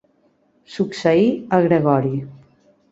Succeí a Gregori.